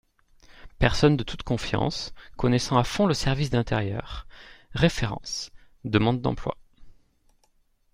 Personne de toute confiance, connaissant à fond le service d'intérieur, références, demande emploi.